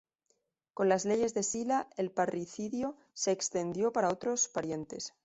Con las leyes de Sila, el parricidio se extendió para otros parientes.